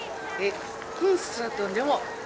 「コンサートでも着ます。